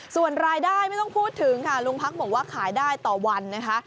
ส่วนรายได้ไม่ต้องพูดถึงค่ะลุงพักบอกว่าขายได้ต่อวันนะคะ